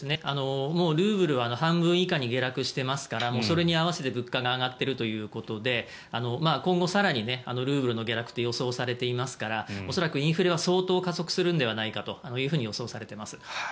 ルーブルは半分以下に下落していますからそれに合わせて物価が上がってるということで今後更にルーブルの下落は予想されていますから恐らくインフレは相当加速するのではないかと予想されています。